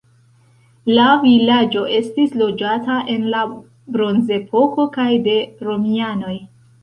La vilaĝo estis loĝata en la bronzepoko kaj de romianoj.